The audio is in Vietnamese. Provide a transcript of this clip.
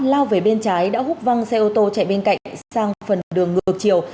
lao về bên trái đã hút văng xe ô tô chạy bên cạnh sang phần đường ngược chiều